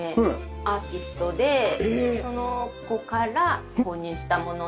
アーティストでその子から購入した物です。